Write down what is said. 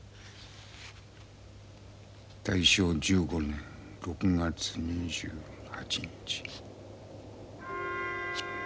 大正１５年６月２８日。